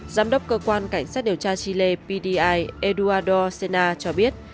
giám đốc cơ quan cảnh sát điều tra chile pdi eduardo senna cho biết